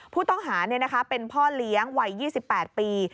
ผู้ต้องหาเป็นพ่อเลี้ยงวัย๒๘ปี